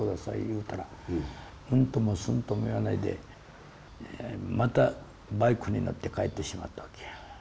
言うたらうんともすんとも言わないでまたバイクに乗って帰ってしまったわけやその日は前日。